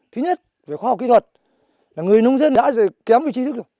thứ nhất về khoa học kỹ thuật là người nông dân đã kém về trí thức rồi